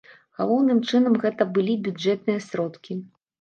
Галоўным чынам гэта былі бюджэтныя сродкі.